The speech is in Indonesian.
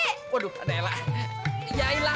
ya allah ya allah